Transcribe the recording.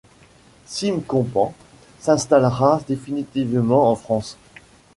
Sim Copans s’installera définitivement en France.